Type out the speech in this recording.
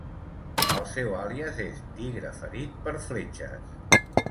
El seu àlies és "Tigre ferit per fletxes".